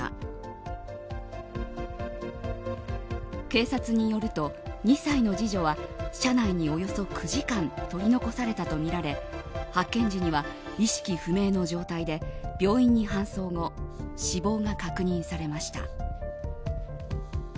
警察によると２歳の次女は車内におよそ９時間取り残されたとみられ発見時には意識不明の状態で病院に搬送後死亡が確認されました。